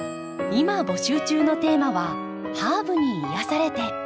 今募集中のテーマは「ハーブに癒やされて」。